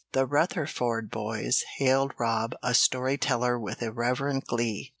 The Rutherford boys hailed Rob a story teller with irreverent glee.